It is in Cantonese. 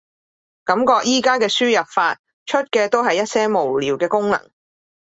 感覺而家嘅輸入法，出嘅都係一些無聊嘅功能